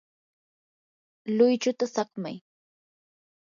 luychuta saqmay.